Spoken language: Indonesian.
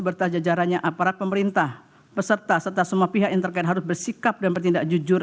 serta jajarannya aparat pemerintah peserta serta semua pihak yang terkait harus bersikap dan bertindak jujur